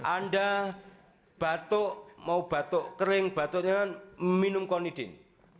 anda batuk mau batuk kering batuknya minum konidin